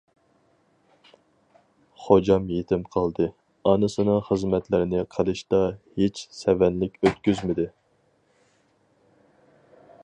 خوجام يېتىم قالدى، ئانىسىنىڭ خىزمەتلىرىنى قىلىشتا ھېچ سەۋەنلىك ئۆتكۈزمىدى.